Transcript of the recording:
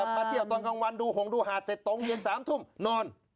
มาเที่ยวตอนกลางวันดูหงดูหาดเสร็จตรงเย็น๓ทุ่มนอน